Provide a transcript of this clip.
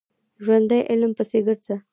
ژوندي علم پسې ګرځي